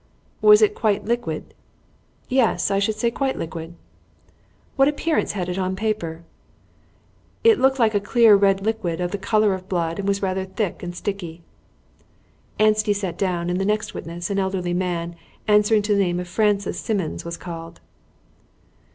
"Was it quite liquid?" "Yes, I should say quite liquid." "What appearance had it on paper?" "It looked like a clear red liquid of the colour of blood, and was rather thick and sticky." Anstey sat down, and the next witness, an elderly man, answering to the name of Francis Simmons, was called.